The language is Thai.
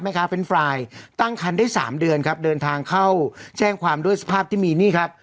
แม่ครับเฟเนี้ยตั้งคันได้สามเดือนครับเดินทางเข้าแช่งความด้วยสถาบันที่มีนี่ครับ